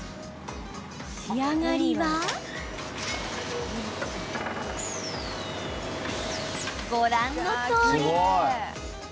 仕上がりはご覧のとおり。